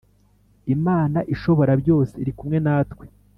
Imana ishibora byose irikumwe natwe